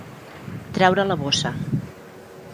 Treure la bossa.